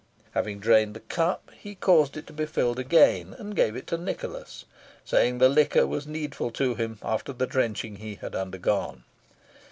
Having drained the cup, he caused it to be filled again, and gave it to Nicholas, saying the liquor was needful to him after the drenching he had undergone.